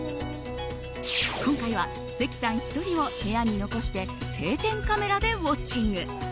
今回は関さん１人を部屋に残して定点カメラでウォッチング。